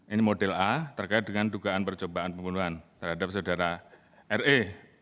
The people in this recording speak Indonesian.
ini model a terkait dengan dugaan percobaan pembunuhan terhadap saudara re